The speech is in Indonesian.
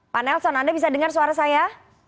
pak nelson anda bisa dengar suara saya